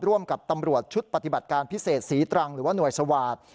ร่วมกับตำรวจชุดปฏิบัติการพิเศษศรีตรังหรือว่าหน่วยสวาสตร์